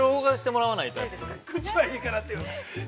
◆口はいいからって。